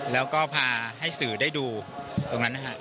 แล้วก็พาให้สื่อได้ดูตรงนั้น